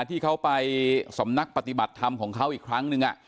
ที่เขาไปสำนักปฏิบัติธรรมของเขาอีกครั้งหนึ่ง